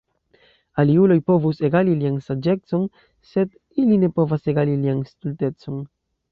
Aliuloj povus egali lian saĝecon, Sed ili ne povas egali lian stultecon.